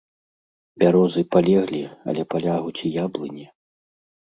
Бярозы палеглі, але палягуць і яблыні.